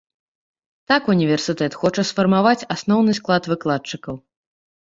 Так універсітэт хоча сфармаваць асноўны склад выкладчыкаў.